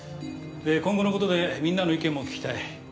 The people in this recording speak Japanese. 今後の事でみんなの意見も聞きたい。